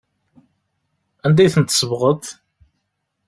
Anda ay ten-tsebɣeḍ?